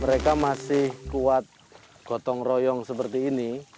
mereka masih kuat gotong royong seperti ini